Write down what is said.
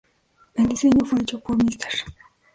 El diseño fue hecho por Mr.